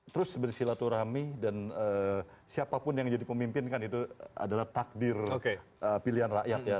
terus bersilaturahmi dan siapapun yang jadi pemimpin kan itu adalah takdir pilihan rakyat ya